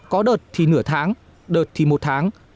có đợt thì nửa tháng đợt thì một tháng